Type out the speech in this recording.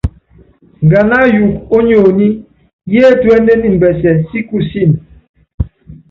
Nganá ayuuku ónyonyi, yétuénen imbɛsɛ si kusííni.